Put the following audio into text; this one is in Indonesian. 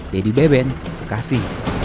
dedy beben bekasi